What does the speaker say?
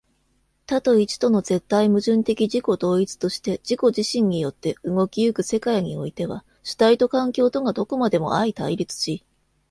多と一との絶対矛盾的自己同一として自己自身によって動き行く世界においては、主体と環境とがどこまでも相対立し、